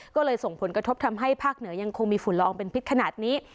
ก็เลยส่งผลกระทบทำให้ภาคเหนือยังคงมีฝุ่นลองเป็นพิษขนาดนี้